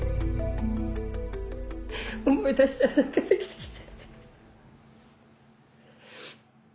思い出したら泣けてきちゃった。